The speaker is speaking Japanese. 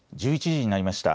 １１時になりました。